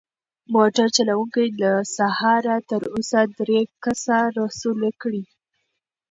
موټر چلونکی له سهاره تر اوسه درې کسه رسولي دي.